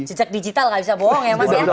jejak digital nggak bisa bohong ya mbak ya